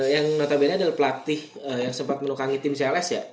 yang notabene adalah pelatih yang sempat menukangi tim cls ya